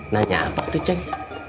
nanya apa tuh ceng